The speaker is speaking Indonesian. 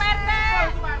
betul pak rt